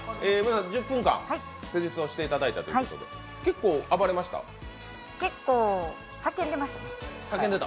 １０分間施術をしていただいたということで、叫んでました？